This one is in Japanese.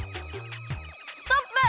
ストップ！